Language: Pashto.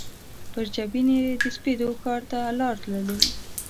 پر جبین یې د سپېدو ښار ته لار تللي